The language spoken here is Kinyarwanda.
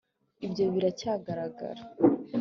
ibyo biracyagaragara